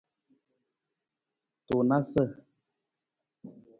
Tunasa.